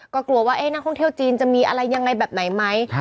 ก็กลัวว่านักท่องเที่ยวจีนจะมีอะไรยังไงแบบไหนไหม